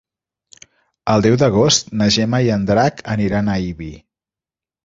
El deu d'agost na Gemma i en Drac aniran a Ibi.